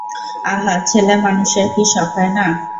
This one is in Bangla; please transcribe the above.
আহা, ছেলেমানুষের কি শখ হয় না।